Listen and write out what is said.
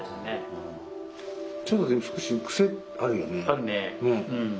あるね。